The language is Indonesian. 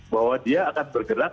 bahwa dia akan bergerak